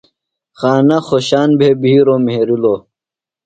خانہ خوۡشان بھےۡ بھِیروۡ مھرِیلوۡ۔